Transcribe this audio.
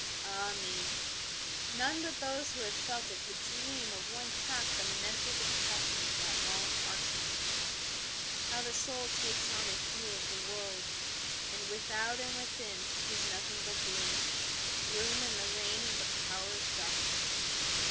Ah me, none but those who have felt it could dream of one half the mental depression of that long Arctic night; how the soul takes on the hue of the world; and without and within is nothing but gloom, gloom, and the reign of the Power of Darkness.